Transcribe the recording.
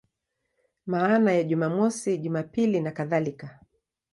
Maana ya Jumamosi, Jumapili nakadhalika.